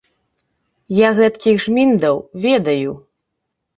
Я гэткіх жміндаў ведаю!